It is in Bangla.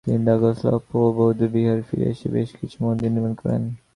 তিনি দ্বাগ্স-ল্হা-স্গাম-পো বৌদ্ধবিহার ফিরে এসে বেশ কিছু মন্দির নির্মাণ করেন।